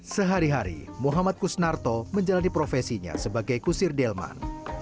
sehari hari muhammad kusnarto menjalani profesinya sebagai kusir delman